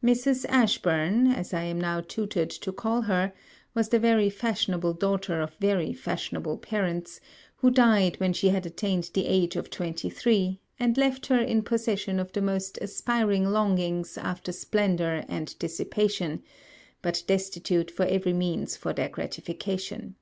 Mrs. Ashburn, as I am now tutored to call her, was the very fashionable daughter of very fashionable parents, who died when she had attained the age of twenty three, and left her in possession of the most aspiring longings after splendor and dissipation, but destitute of every means for their gratification.